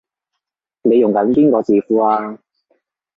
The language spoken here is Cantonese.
你用緊邊個字庫啊？